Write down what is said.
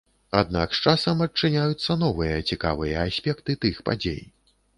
Аднак з часам адчыняюцца новыя цікавыя аспекты тых падзей.